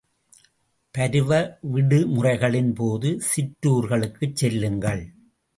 பருவ விடுமுறைகளின்போது, சிற்றுர்களுக்குச் செல்லுங்கள்.